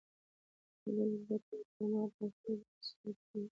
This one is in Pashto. د بېلګې په توګه، خرما په ښه اوبو سره کرل کیږي.